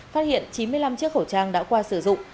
phát hiện chín mươi năm chiếc khẩu trang đã qua sử dụng